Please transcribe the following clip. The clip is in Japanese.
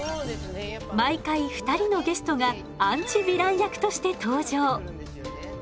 毎回２人のゲストがアンチヴィラン役として登場。